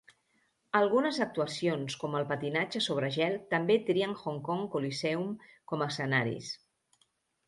Algunes actuacions com el patinatge sobre gel també trien Hong Kong Coliseum com a escenaris.